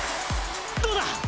どうだ！